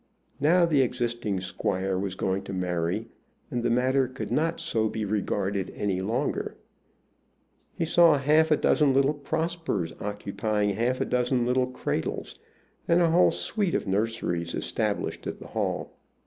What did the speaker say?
Now the existing squire was going to marry, and the matter could not so be regarded any longer. He saw half a dozen little Prospers occupying half a dozen little cradles, and a whole suite of nurseries established at the Hall.